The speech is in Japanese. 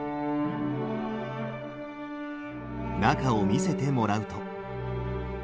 中を見せてもらうと。